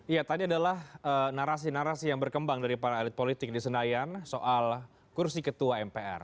ya tadi adalah narasi narasi yang berkembang dari para elit politik di senayan soal kursi ketua mpr